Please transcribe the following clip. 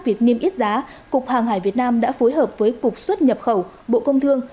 việc niêm yết giá cục hàng hải việt nam đã phối hợp với cục xuất nhập khẩu bộ công thương